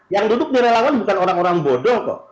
yang duduk di relawan bukan orang orang bodong kok